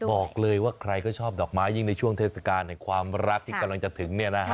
บอกเลยว่าใครก็ชอบดอกไม้ยิ่งในช่วงเทศกาลแห่งความรักที่กำลังจะถึง